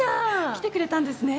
来てくれたんですね。